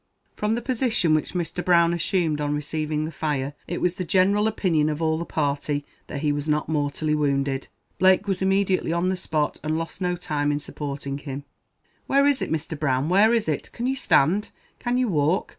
From the position which Mr. Brown assumed on receiving the fire, it was the general opinion of all the party that he was not mortally wounded. Blake was immediately on the spot, and lost no time in supporting him. "Where is it, Mr. Brown, where is it? Can you stand? Can you walk?